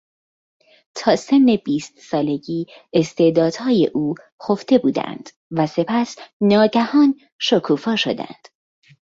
تا سن بیست سالگی استعدادهای او خفته بودد و سپس ناگهان شکوفا شدد.